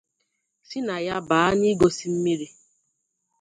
si na ya bàá n'igosi mmiri